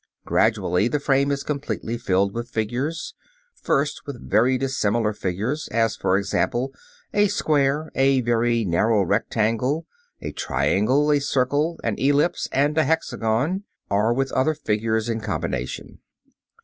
Gradually the frame is completely filled with figures; first, with very dissimilar figures, as, for example, a square, a very narrow rectangle, a triangle, a circle, an ellipse and a hexagon, or with other figures in combination.